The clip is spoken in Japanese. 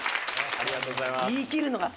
ありがとうございます。